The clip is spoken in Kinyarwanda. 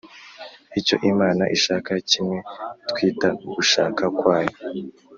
icyo imana ishaka kimwe twita ugushaka kwayo